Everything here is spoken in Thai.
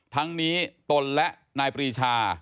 ทั้งนี้ตนและนายปรีชา